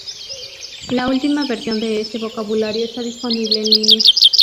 La última versión de este vocabulario está disponible en línea.